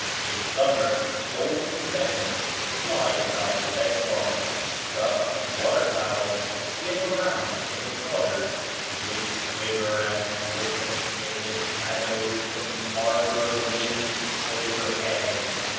In summer golden pheasants fly about the Rizwan — ducks and water fowl swim around in the waters which quiver and glisten in the shadows from the arbor of leaves overhead.